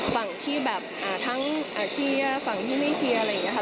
ฝั่งที่แบบทั้งเชียร์ฝั่งที่ไม่เชียร์อะไรอย่างนี้ค่ะ